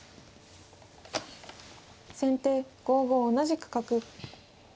先手５五同じく角。